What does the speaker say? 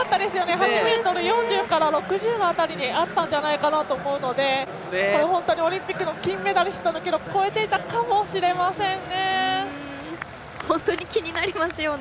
８ｍ４０から６０の辺りにあったんじゃないかなと思うので本当にオリンピックの金メダリストの記録超えていたかもしれませんね。